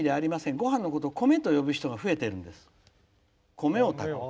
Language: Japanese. ごはんのことを米と呼ぶ人が増えているんです。